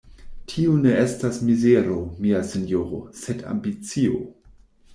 Tio ne estas mizero, mia sinjoro, sed ambicio!